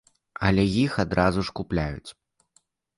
Але іх адразу ж купляюць.